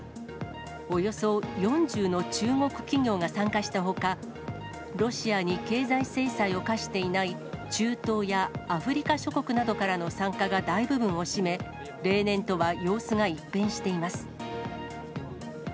およそ４０の中国企業が参加したほか、ロシアに経済制裁を科していない中東やアフリカ諸国などからの参加が大部分を占め、例年とは様子が一変しています。